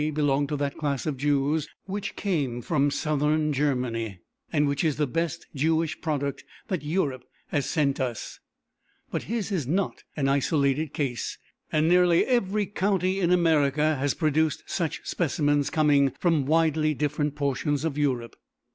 belonged to that class of Jews which came from Southern Germany and which is the best Jewish product that Europe has sent us; but his is not an isolated case, and nearly every county in America has produced such specimens coming from widely different portions of Europe.